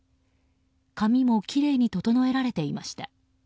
髪もきれいに整えられていました。